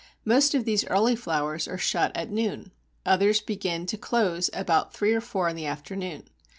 Most of these early flowers are shut at noon. Others begin to close about three or four in the afternoon.